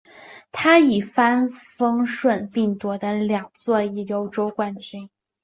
他一帆风顺并夺得两座欧洲冠军。